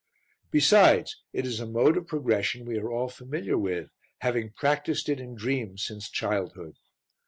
Besides it is a mode of progression we are all familiar with, having practised it in dreams since childhood.